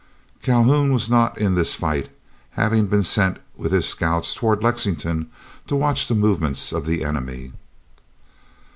Calhoun was not in this fight, having been sent with his scouts toward Lexington to watch the movements of the enemy.